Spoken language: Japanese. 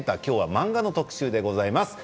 漫画の特集でございます。